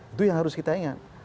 itu yang harus kita ingat